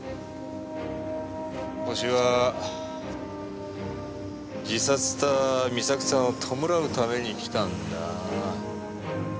ホシは自殺した美咲さんを弔うために来たんだ。